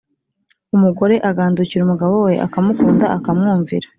Umugore agandukira umugabo we akamukunda akamwumvira